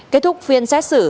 kết thúc phiên xét xử